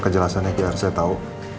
kejelasannya biar saya tahu